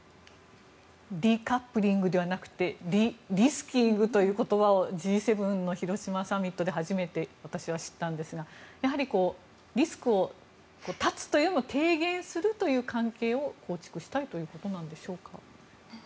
デカップリングではなくてデリスキリングという言葉をＧ７の広島サミットで初めて私は知ったんですがやはりリスクを断つというよりも低減するという関係を構築したいということなんでしょうか。